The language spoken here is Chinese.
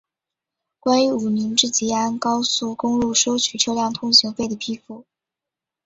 关于武宁至吉安高速公路收取车辆通行费的批复